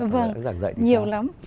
vâng nhiều lắm